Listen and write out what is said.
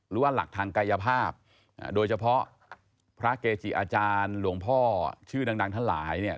หรือว่าหลักทางกายภาพโดยเฉพาะพระเกจิอาจารย์หลวงพ่อชื่อดังทั้งหลายเนี่ย